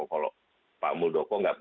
kalau pak buldoko